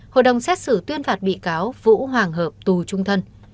hội đồng xét xử tuyên phạt bị cáo vũ hoàng hợp tù trung thân